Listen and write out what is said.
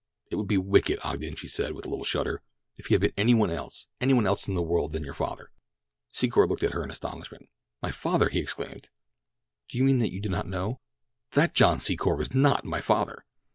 "It would be wicked, Ogden," she said with a little shudder. "If he had been any one else—any one else in the world than your father!" Secor looked at her in astonishment. "My father!" he exclaimed. "Do you mean that you do not know—that John Secor was not my father?"